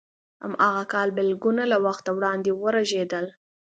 هماغه کال بلګونه له وخته وړاندې ورژېدل.